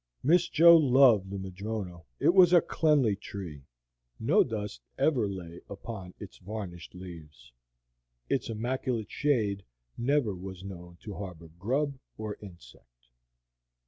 Miss Jo loved the madrono. It was a cleanly tree; no dust ever lay upon its varnished leaves; its immaculate shade never was known to harbor grub or insect.